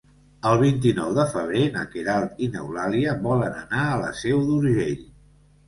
El vint-i-nou de febrer na Queralt i n'Eulàlia volen anar a la Seu d'Urgell.